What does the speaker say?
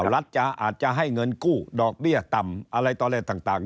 ลัดจะจะให้เงินกู้ดอกเรียดต่ำอะไรต่อแล้วต่างต่าง